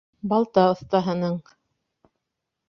Балта оҫтаһының!